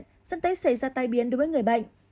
dẫn tới xảy ra tay biến đối với người bệnh